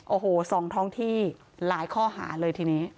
โอ้โหสองท้องที่หลายข้อหาเลยทีนี้